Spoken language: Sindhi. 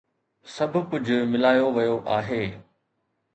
سڀ ڪجهه ملايو ويو آهي.